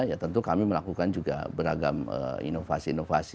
ya tentu kami melakukan juga beragam inovasi inovasi